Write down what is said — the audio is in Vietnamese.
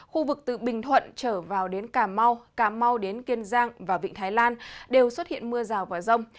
khu vực từ bình thuận trở vào đến cà mau cà mau đến kiên giang và vịnh thái lan đều xuất hiện mưa rào và rông